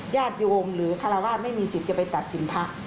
ญาติโยมหรือคารวาสไม่มีสิทธิ์จะไปตัดสินพระ